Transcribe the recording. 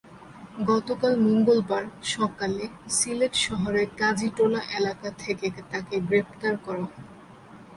গতকাল মঙ্গলবার সকালে সিলেট শহরের কাজীটোলা এলাকা থেকে তাঁকে গ্রেপ্তার করা হয়।